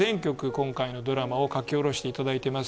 今回のドラマを書き下ろしていただいています。